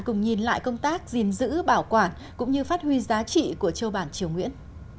cùng nhìn lại công tác gìn giữ bảo quản cũng như phát huy giá trị của châu bản triều nguyễn